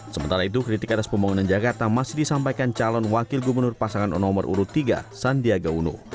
sementara itu kritik atas pembangunan jakarta masih disampaikan calon wakil gubernur pasangan nomor urut tiga sandiaga uno